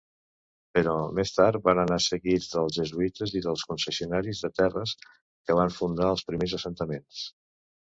Però més tard van anar seguits dels jesuïtes i els concessionaris de terres, que van fundar els primers assentaments.